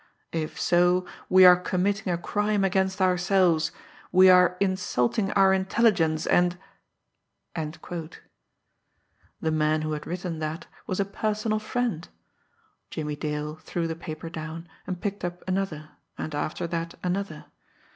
If so, we are committing a crime against ourselves, we are insulting our intelligence, and " The man who had written that was a personal friend! Jimmie Dale threw the paper down, and picked up another, and after that another.